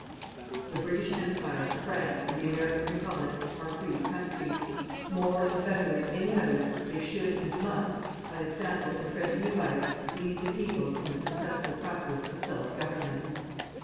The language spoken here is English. The British Empire, France and the American Republic are free countries. More and better than any others they should and must, by example and friendly advice, lead the peoples in the successful practice of self government.